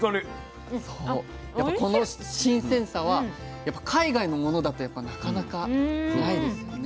やっぱこの新鮮さは海外のものだとなかなかないですよね。